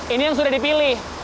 ini yang sudah dipilih